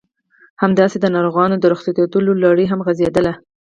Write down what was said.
همداسې د ناروغانو د رخصتېدو لړۍ هم غزېدله.